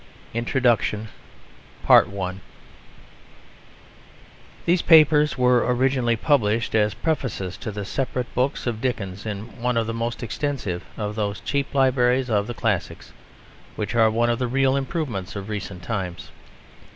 INTRODUCTION These papers were originally published as prefaces to the separate books of Dickens in one of the most extensive of those cheap libraries of the classics which are one of the real improvements of recent times.